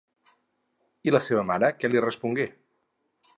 I la seva mare què li respongué?